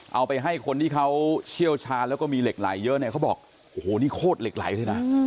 เอาไปให้คนที่เขาเชี่ยวชาญแล้วก็มีเหล็กไหลเยอะเนี่ยเขาบอกโอ้โหนี่โคตรเหล็กไหลเลยนะ